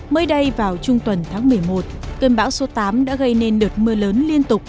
mới đây vào trung tuần tháng một mươi một cơn bão số tám đã gây nên đợt mưa lớn liên tục